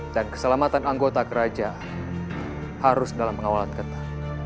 dan keselamatan anggota kerajaan harus dalam pengawalan kita